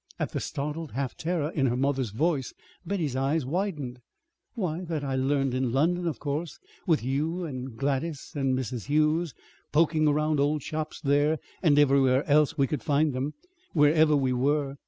At the startled half terror in her mother's voice Betty's eyes widened. "Why, that I learned in London, of course, with you and Gladys and Miss Hughes, poking around old shops there and everywhere else that we could find them, wherever we were.